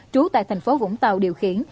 trú tại thành phố vũng tàu điều khiển